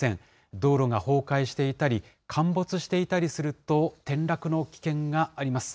道路が崩壊していたり、陥没していたりすると、転落の危険があります。